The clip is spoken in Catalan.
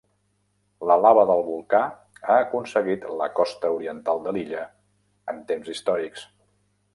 La lava del volcà ha aconseguit la costa oriental de l'illa en temps històrics.